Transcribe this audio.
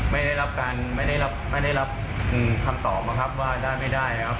ไม่ได้รับการไม่ได้รับคำตอบนะครับว่าได้ไม่ได้นะครับ